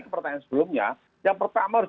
pertanyaan sebelumnya yang pertama harus